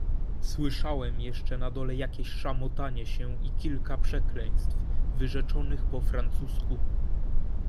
"Słyszałem jeszcze na dole jakieś szamotanie się i kilka przekleństw, wyrzeczonych po francusku."